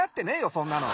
そんなの。